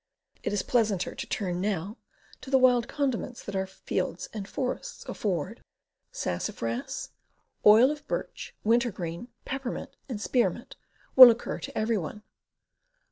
It is pleasanter to turn, now, to the wild condiments that our fields and forests afford. Sassafras, oil of WILDERNESS EDIBLE PLANTS 255 birch, wintergreen, peppermint and spearmint will occur to every one.